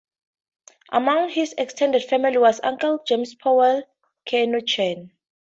Among his extended family was uncle James Powell Kernochan.